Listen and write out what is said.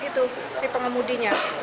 itu si pengemudinya